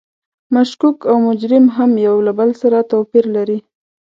مشکوک او مجرم هم یو له بل سره توپیر لري.